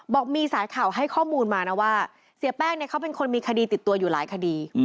บอกมีสายข่าวให้ข้อมูลมานะว่าเสียแป้งเนี่ยเขาเป็นคนมีคดีติดตัวอยู่หลายคดี